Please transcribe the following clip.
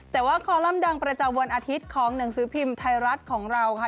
แต่ว่าคอลัมป์ดังประจำวันอาทิตย์ของหนังสือพิมพ์ไทยรัฐของเราค่ะ